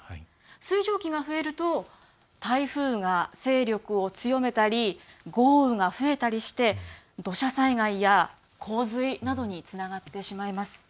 水蒸気が増えると台風が勢力を強めたり豪雨が増えたりして土砂災害や洪水などにつながってしまいます。